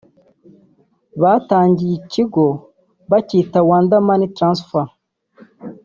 Batangije Ikigo bacyita Wanda Money Transfer